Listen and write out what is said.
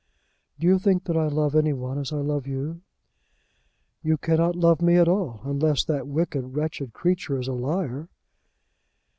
"Do you think that I love any one as I love you?" "You cannot love me at all, unless that wicked, wretched creature is a liar."